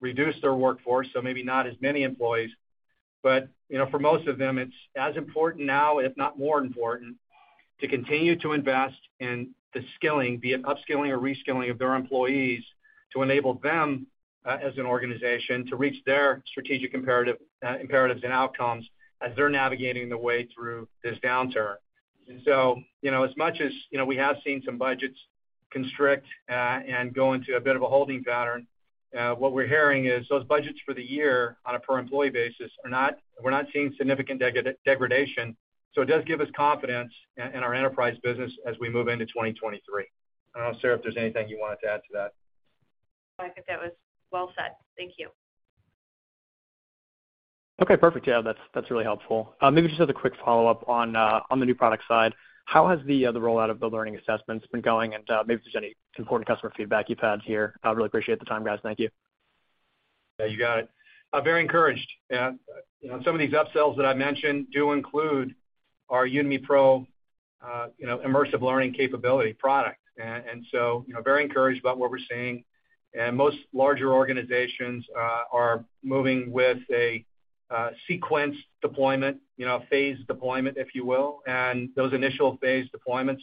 reduced their workforce, so maybe not as many employees, but, you know, for most of them, it's as important now, if not more important, to continue to invest in the skilling, be it upskilling or reskilling of their employees to enable them as an organization to reach their strategic imperatives and outcomes as they're navigating the way through this downturn. You know, as much as, you know, we have seen some budgets constrict and go into a bit of a holding pattern, what we're hearing is those budgets for the year on a per employee basis are we're not seeing significant degradation. It does give us confidence in our enterprise business as we move into 2023. I don't know, Sarah, if there's anything you wanted to add to that? No, I think that was well said. Thank you. Okay, perfect. Yeah, that's really helpful. Maybe just as a quick follow-up on the new product side. How has the rollout of the learning assessments been going? Maybe if there's any important customer feedback you've had here. I really appreciate the time, guys. Thank you. Yeah, you got it. I'm very encouraged. You know, some of these upsells that I mentioned do include our Udemy Pro, you know, immersive learning capability product. So, you know, very encouraged about what we're seeing. Most larger organizations are moving with a sequenced deployment, you know, phased deployment, if you will. Those initial phased deployments,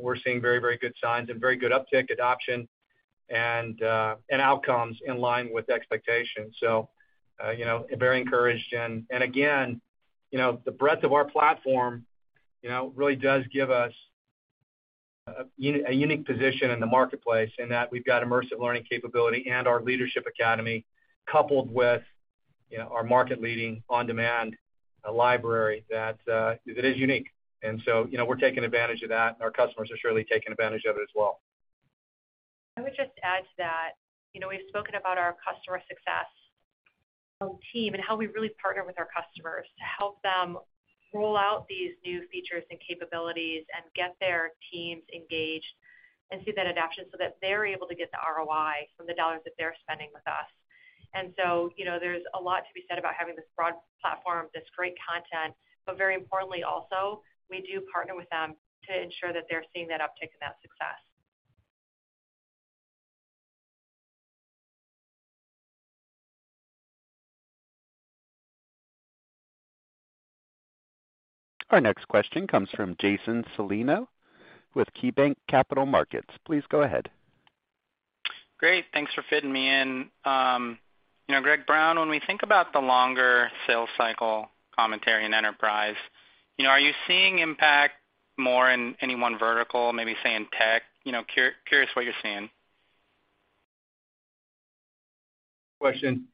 we're seeing very, very good signs and very good uptick adoption and outcomes in line with expectations. You know, very encouraged. Again, you know, the breadth of our platform, you know, really does give us a unique position in the marketplace in that we've got immersive learning capability and our Leadership Academy coupled with, you know, our market-leading on-demand library that it is unique. You know, we're taking advantage of that, and our customers are surely taking advantage of it as well. I would just add to that, you know, we've spoken about our customer success team and how we really partner with our customers to help them roll out these new features and capabilities and get their teams engaged and see that adaption so that they're able to get the ROI from the dollars that they're spending with us. You know, there's a lot to be said about having this broad platform, this great content, but very importantly also, we do partner with them to ensure that they're seeing that uptick and that success. Our next question comes from Jason Celino with KeyBanc Capital Markets. Please go ahead. Great. Thanks for fitting me in. You know, Greg Brown, when we think about the longer sales cycle commentary in enterprise, you know, are you seeing impact more in any one vertical, maybe, say, in tech? You know, curious what you're seeing. Question.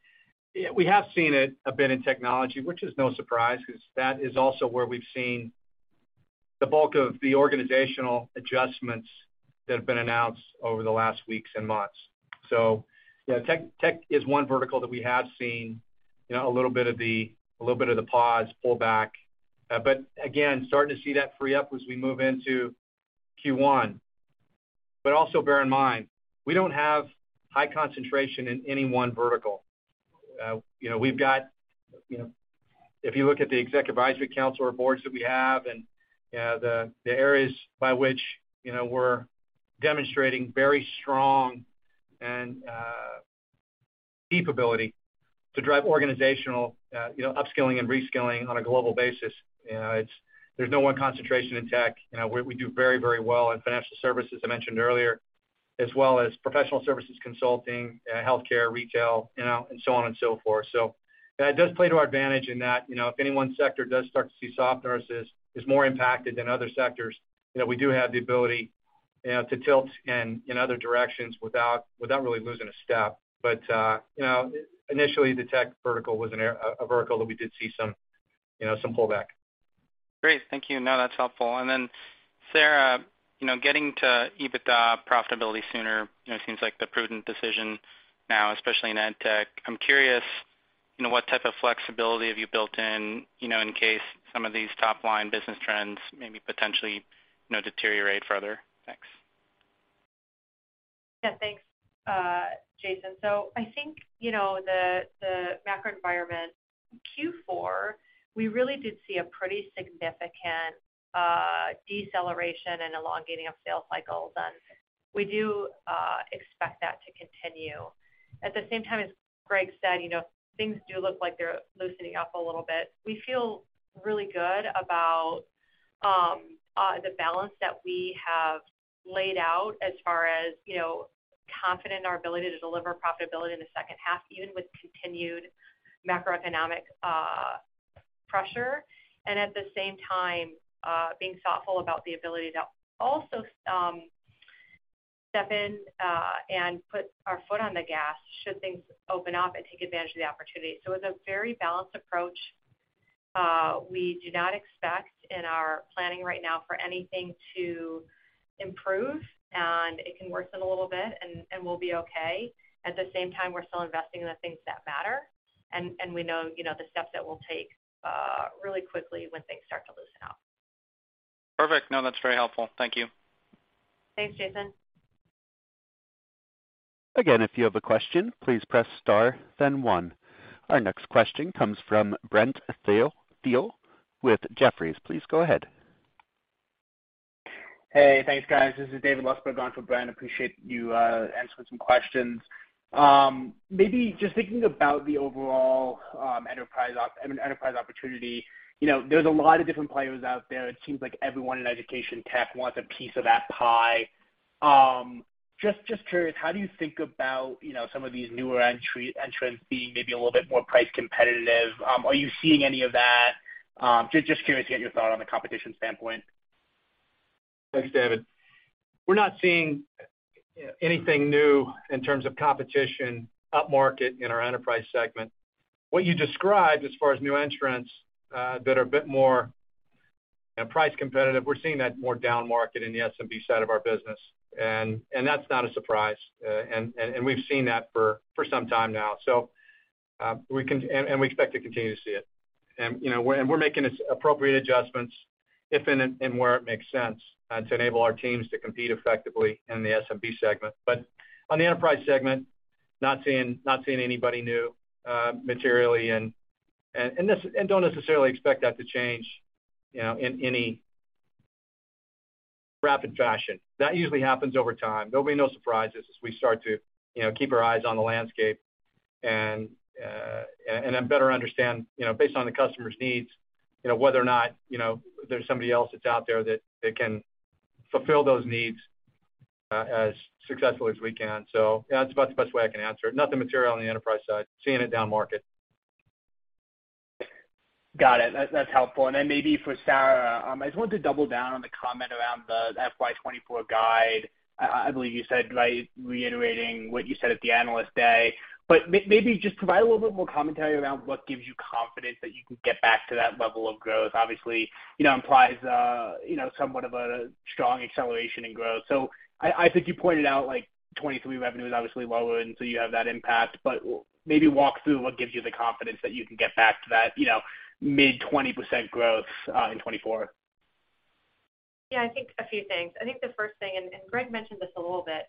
We have seen it a bit in technology, which is no surprise 'cause that is also where we've seen the bulk of the organizational adjustments that have been announced over the last weeks and months. Yeah, tech is one vertical that we have seen, you know, a little bit of the pause, pull back. Again, starting to see that free up as we move into Q1. Also bear in mind, we don't have high concentration in any one vertical. You know, we've got, you know, if you look at the executive advisory council or boards that we have and the areas by which, you know, we're demonstrating very strong and capability to drive organizational, you know, upskilling and reskilling on a global basis. You know, there's no one concentration in tech. You know, we do very, very well in financial services, I mentioned earlier. As well as professional services consulting, healthcare, retail, you know, and so on and so forth. Yeah, it does play to our advantage in that, you know, if any one sector does start to see softness is more impacted than other sectors. You know, we do have the ability, you know, to tilt in other directions without really losing a step. Initially, the tech vertical was a vertical that we did see some, you know, some pullback. Great. Thank you. No, that's helpful. Sarah, you know, getting to EBITDA profitability sooner, you know, seems like the prudent decision now, especially in ed tech. I'm curious, you know, what type of flexibility have you built in, you know, in case some of these top-line business trends maybe potentially, you know, deteriorate further? Thanks. Yeah, thanks, Jason. I think, you know, the macro environment, Q4, we really did see a pretty significant deceleration and elongating of sales cycles, and we do expect that to continue. At the same time, as Greg said, you know, things do look like they're loosening up a little bit. We feel really good about the balance that we have laid out as far as, you know, confident in our ability to deliver profitability in the second half, even with continued macroeconomic pressure. At the same time, being thoughtful about the ability to also step in and put our foot on the gas should things open up and take advantage of the opportunity. It's a very balanced approach. We do not expect in our planning right now for anything to improve. It can worsen a little bit and we'll be okay. At the same time, we're still investing in the things that matter, and we know, you know, the steps that we'll take really quickly when things start to loosen up. Perfect. No, that's very helpful. Thank you. Thanks, Jason. Again, if you have a question, please press star then one. Our next question comes from Brent Thill, with Jefferies. Please go ahead. Hey, thanks, guys. This is David Lustberg on for Brent Thill. Appreciate you answering some questions. Maybe just thinking about the overall enterprise opportunity. You know, there's a lot of different players out there. It seems like everyone in education tech wants a piece of that pie. Just curious, how do you think about, you know, some of these newer entrants being maybe a little bit more price competitive? Are you seeing any of that? Just curious to get your thought on the competition standpoint. Thanks, David. We're not seeing anything new in terms of competition upmarket in our enterprise segment. What you described as far as new entrants that are a bit more price competitive, we're seeing that more downmarket in the SMB side of our business. That's not a surprise. We've seen that for some time now. We expect to continue to see it. You know, we're making this appropriate adjustments if and where it makes sense to enable our teams to compete effectively in the SMB segment. On the enterprise segment, not seeing anybody new materially and don't necessarily expect that to change, you know, in any rapid fashion. That usually happens over time. There'll be no surprises as we start to, you know, keep our eyes on the landscape and then better understand, you know, based on the customer's needs, you know, whether or not, you know, there's somebody else that's out there that can fulfill those needs as successfully as we can. That's about the best way I can answer it. Nothing material on the enterprise side, seeing it downmarket. Got it. That's helpful. Then maybe for Sarah, I just want to double down on the comment around the FY 2024 guide. I believe you said by reiterating what you said at the Analyst Day. Maybe just provide a little bit more commentary around what gives you confidence that you can get back to that level of growth. Obviously, you know, implies, you know, somewhat of a strong acceleration in growth. I think you pointed out like 2023 revenue is obviously lower, and so you have that impact. Maybe walk through what gives you the confidence that you can get back to that, you know, mid-20% growth in 2024. Yeah, I think a few things. I think the first thing, Greg mentioned this a little bit,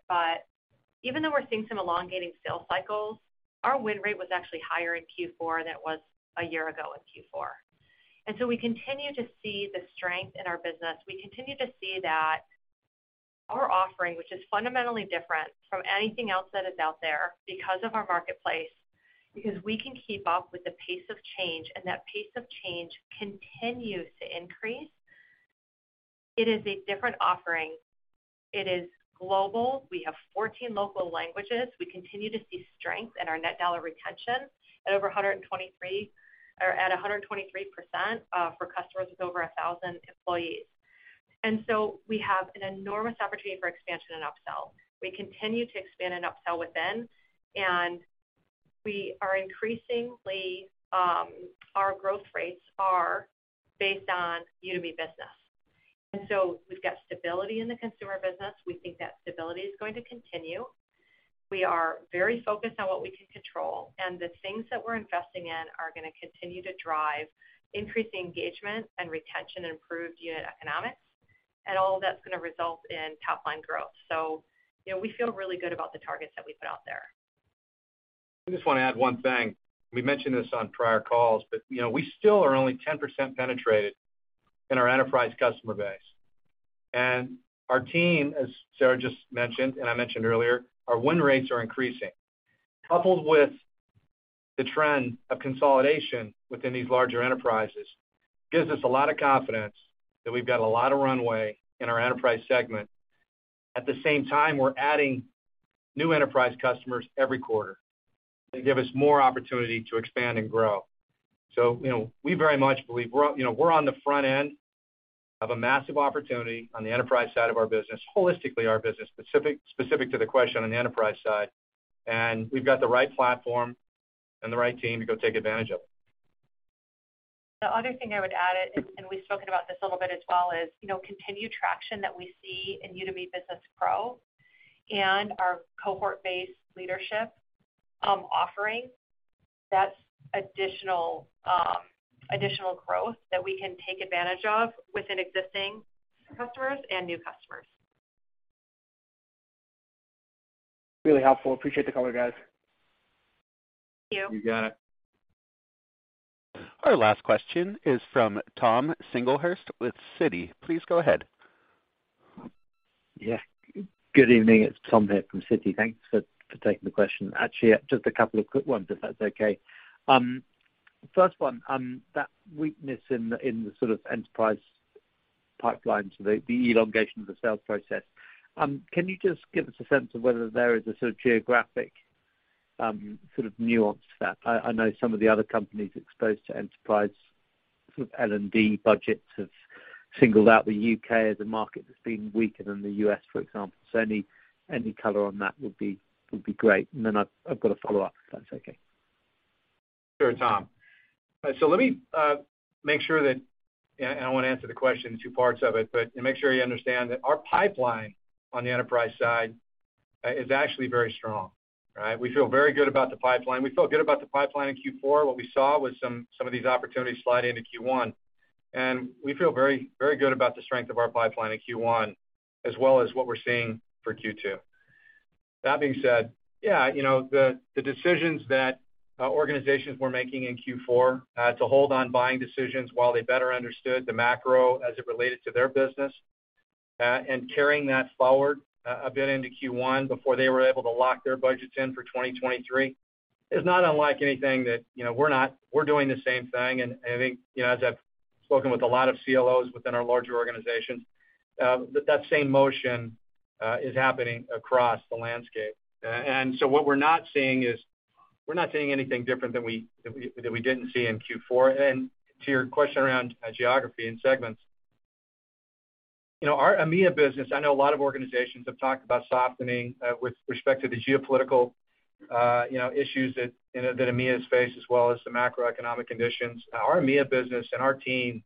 even though we're seeing some elongating sales cycles, our win rate was actually higher in Q4 than it was a year ago in Q4. We continue to see the strength in our business. We continue to see that our offering, which is fundamentally different from anything else that is out there because of our marketplace, because we can keep up with the pace of change, and that pace of change continues to increase. It is a different offering. It is global. We have 14 local languages. We continue to see strength in our net dollar retention at over 123%, or at 123%, for customers with over 1,000 employees. We have an enormous opportunity for expansion and upsell. We continue to expand and upsell within, and we are increasingly, our growth rates are based on Udemy Business. We've got stability in the consumer business. We think that stability is going to continue. We are very focused on what we can control, and the things that we're investing in are gonna continue to drive increased engagement and retention and improved unit economics, and all that's gonna result in top-line growth. You know, we feel really good about the targets that we put out there. I just wanna add one thing. We mentioned this on prior calls, but you know, we still are only 10% penetrated in our enterprise customer base. Our team, as Sarah just mentioned and I mentioned earlier, our win rates are increasing. The trend of consolidation within these larger enterprises gives us a lot of confidence that we've got a lot of runway in our enterprise segment. At the same time, we're adding new enterprise customers every quarter. They give us more opportunity to expand and grow. You know, we very much believe we're, you know, we're on the front end of a massive opportunity on the enterprise side of our business, holistically our business, specific to the question on the enterprise side. We've got the right platform and the right team to go take advantage of it. The other thing I would add, and we've spoken about this a little bit as well, is, you know, continued traction that we see in Udemy Business Pro and our cohort-based leadership offering. That's additional growth that we can take advantage of within existing customers and new customers. Really helpful. Appreciate the color, guys. Thank you. You got it. Our last question is from Tom Singlehurst with Citi. Please go ahead. Yeah. Good evening. It's Tom here from Citi. Thanks for taking the question. Actually, just a couple of quick ones, if that's okay. First one, that weakness in the sort of enterprise pipeline, so the elongation of the sales process. Can you just give us a sense of whether there is a sort of geographic nuance to that? I know some of the other companies exposed to enterprise sort of L&D budgets have singled out the U.K. as a market that's been weaker than the U.S., for example. Any color on that would be great. I've got a follow-up, if that's okay. Sure, Tom. Let me make sure that... I wanna answer the question, the two parts of it. To make sure you understand that our pipeline on the enterprise side is actually very strong, right? We feel very good about the pipeline. We felt good about the pipeline in Q4. What we saw was some of these opportunities slide into Q1. We feel very, very good about the strength of our pipeline in Q1, as well as what we're seeing for Q2. That being said, you know, the decisions that organizations were making in Q4 to hold on buying decisions while they better understood the macro as it related to their business, and carrying that forward a bit into Q1 before they were able to lock their budgets in for 2023, is not unlike anything that, you know, we're doing the same thing. I think, you know, as I've spoken with a lot of CLOs within our larger organizations, that same motion is happening across the landscape. What we're not seeing is we're not seeing anything different than we didn't see in Q4. To your question around geography and segments, you know, our EMEA business, I know a lot of organizations have talked about softening with respect to the geopolitical, you know, issues that, you know, that EMEA has faced, as well as some macroeconomic conditions. Our EMEA business and our team,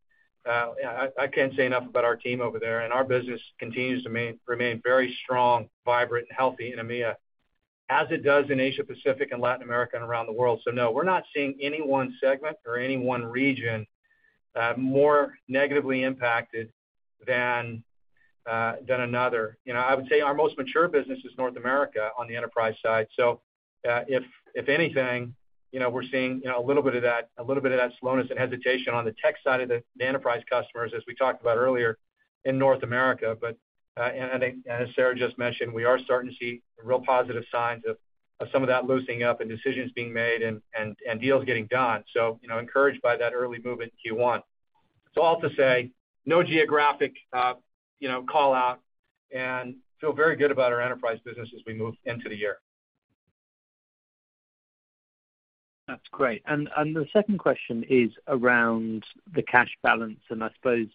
I can't say enough about our team over there, and our business continues to remain very strong, vibrant, and healthy in EMEA, as it does in Asia-Pacific and Latin America and around the world. No, we're not seeing any one segment or any one region more negatively impacted than another. You know, I would say our most mature business is North America on the enterprise side. If anything, you know, we're seeing, you know, a little bit of that slowness and hesitation on the tech side of the enterprise customers, as we talked about earlier in North America. And I think as Sarah just mentioned, we are starting to see real positive signs of some of that loosening up and decisions being made and deals getting done. You know, encouraged by that early move in Q1. All to say, no geographic, you know, call-out, and feel very good about our enterprise business as we move into the year. That's great. The second question is around the cash balance and I suppose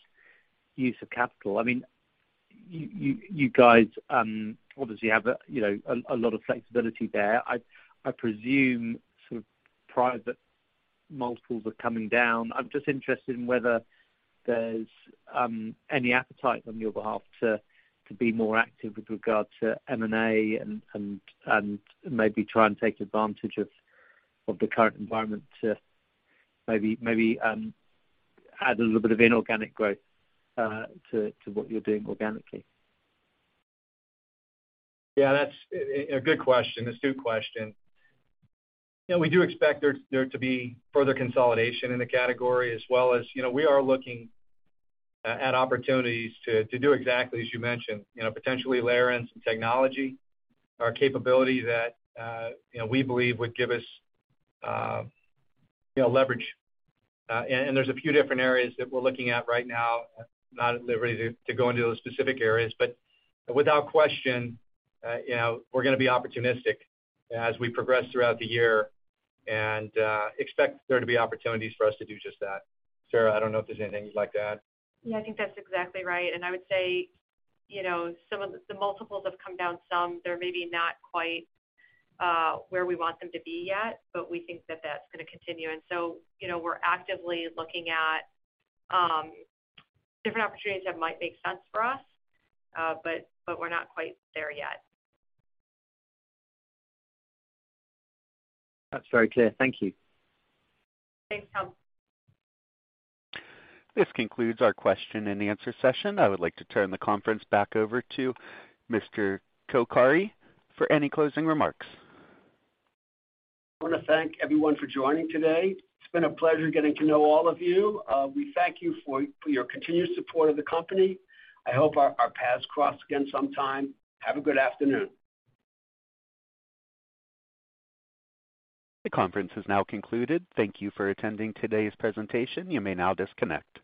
use of capital. I mean, you guys obviously have, you know, a lot of flexibility there. I presume sort of private multiples are coming down. I'm just interested in whether there's any appetite on your behalf to be more active with regard to M&A and maybe try and take advantage of the current environment to maybe add a little bit of inorganic growth to what you're doing organically? Yeah, that's a good question. It's a good question. You know, we do expect there to be further consolidation in the category as well as, you know, we are looking at opportunities to do exactly as you mentioned, you know, potentially layer in some technology or capability that, you know, we believe would give us, you know, leverage. There's a few different areas that we're looking at right now. Not at liberty to go into those specific areas, but without question, you know, we're gonna be opportunistic as we progress throughout the year and expect there to be opportunities for us to do just that. Sarah, I don't know if there's anything you'd like to add. Yeah, I think that's exactly right. I would say, you know, some of the multiples have come down some. They're maybe not quite where we want them to be yet, but we think that that's gonna continue. You know, we're actively looking at different opportunities that might make sense for us. But we're not quite there yet. That's very clear. Thank you. Thanks, Tom. This concludes our question and answer session. I would like to turn the conference back over to Mr. Coccari for any closing remarks. I wanna thank everyone for joining today. It's been a pleasure getting to know all of you. We thank you for your continued support of the company. I hope our paths cross again sometime. Have a good afternoon. The conference has now concluded. Thank you for attending today's presentation. You may now disconnect.